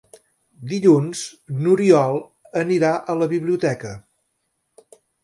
Dilluns n'Oriol anirà a la biblioteca.